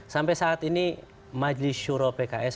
sampai saat ini majelis syuro pks